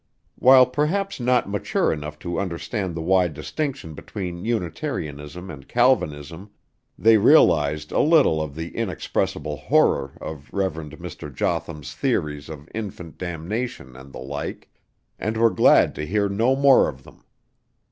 While perhaps not mature enough to understand the wide distinction between Unitarianism and Calvinism, they realized a little of the inexpressible horror of Rev. Mr. Jotham's theories of infant damnation and the like, and were glad to hear no more of them.